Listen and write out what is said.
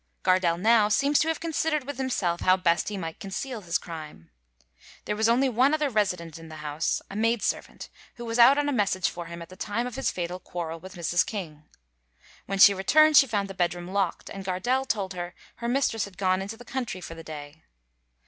Gardelle now seems to have considered with himself how best he might conceal his crime. There was only one other resident in the house, a maid servant, who was out on a message for him at the time of his fatal quarrel with Mrs. King. When she returned she found the bedroom locked, and Gardelle told her her mistress had gone into the country for the day.